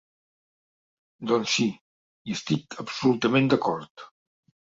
Doncs sí, hi estic absolutament d’acord.